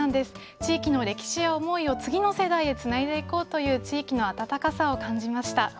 地域の歴史や思いを次の世代へつないでいこうという、地域の温かさを感じました。